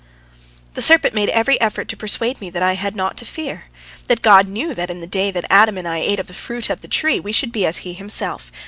The serpent made every effort to persuade me that I had naught to fear—that God knew that in the day that Adam and I ate of the fruit of the tree, we should be as He Himself.